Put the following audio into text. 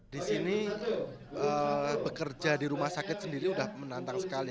di sini bekerja di rumah sakit sendiri sudah menantang sekali